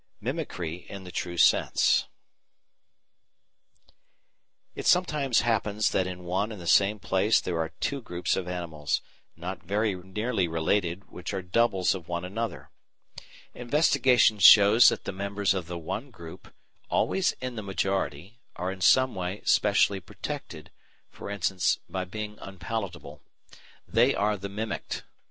§ 5 Mimicry in the True Sense It sometimes happens that in one and the same place there are two groups of animals not very nearly related which are "doubles" of one another. Investigation shows that the members of the one group, always in the majority, are in some way specially protected, e.g. by being unpalatable. They are the "mimicked."